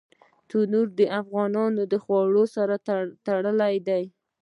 تنور د افغاني خوړو سره تړلی دی